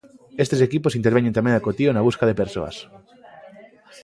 Estes equipos interveñen tamén acotío na busca de persoas.